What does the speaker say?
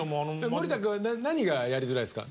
森田くんは何がやりづらいんですか？